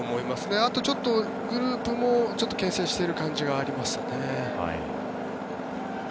あとちょっとグループも形成している感じがありますね。